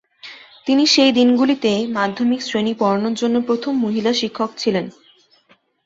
তিনি সেই দিনগুলিতে মাধ্যমিক শ্রেণি পড়ানোর জন্য প্রথম মহিলা শিক্ষক ছিলেন।